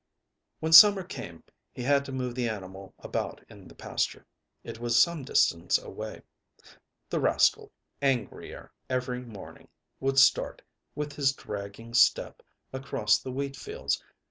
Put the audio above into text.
When summer came he had to move the animal about in the pasture. It was some distance away. The rascal, angrier every morning, would start, with his dragging step, across the wheat fields.